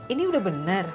ini udah bener